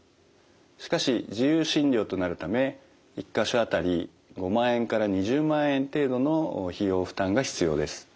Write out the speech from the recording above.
しかし自由診療となるため１か所あたり５万円から２０万円程度の費用負担が必要です。